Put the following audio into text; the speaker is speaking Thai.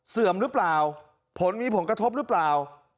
เสื่อมหรือเปล่าผลมีผลกระทบหรือเปล่า